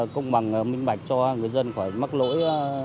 công bằng minh bạch cho người dân khỏi mắc lỗi